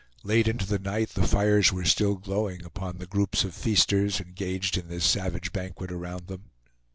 Late into the night the fires were still glowing upon the groups of feasters engaged in this savage banquet around them.